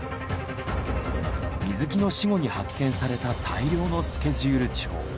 水木の死後に発見された大量のスケジュール帳。